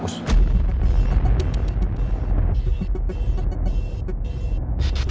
lo suka sama siapa